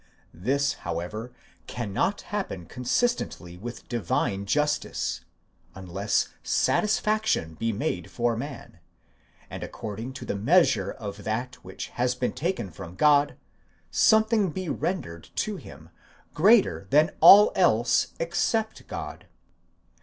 This, however, cannot happen consistently with divine justice, unless satisfaction be made for man, and according to the measure of that which has been taken from God, something be rendered to him, greater than all else except God.